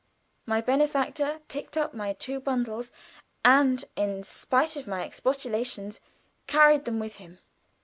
My benefactor picked up my two bundles, and, in spite of my expostulations, carried them with him.